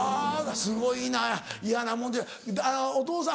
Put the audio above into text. すごいな嫌なもんでお義父さん